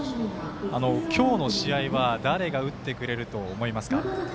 今日の試合は誰が打ってくれると思いますか？